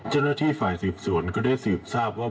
เจ้าหน้าที่ฝ่ายสืบสวนก็ได้สืบทราบว่า